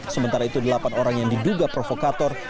sementara itu delapan orang yang diduga provokator